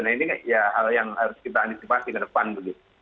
nah ini ya hal yang harus kita antisipasi ke depan begitu